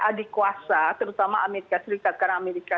adik kuasa terutama amerika serikat karena amerika